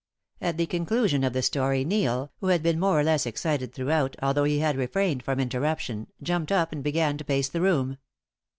At the conclusion of the story Neil, who had been more or less excited throughout, although he had refrained from interruption, jumped up and began to pace the room.